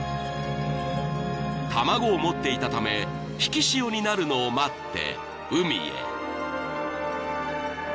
［卵を持っていたため引き潮になるのを待って海へ］